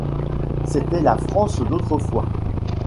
C’était la France d’autrefois.